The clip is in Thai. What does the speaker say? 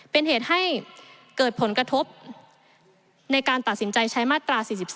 เป็นเหตุให้เกิดผลกระทบในการตัดสินใจใช้มาตรา๔๒